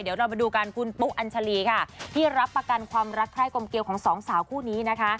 เดี๋ยวเรามาดูกันคุณปุ๊อัญชาลีค่ะที่รับประกันความรักใคร่กลมเกียวของสองสาวคู่นี้นะคะ